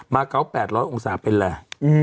มาเกาะ๘๐๐องศาเป็นแหละ